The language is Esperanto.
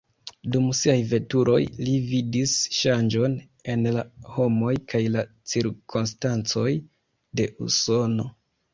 Dum siaj veturoj, li vidis ŝanĝon en la homoj kaj la cirkonstancoj de Usono.